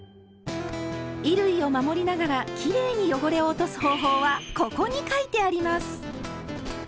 衣類を守りながらきれいに汚れを落とす方法は「ここ」に書いてあります！